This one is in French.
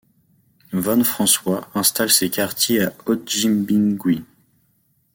Von François installe ses quartiers à Otjimbingwe.